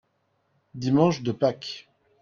dimanche de Pâques.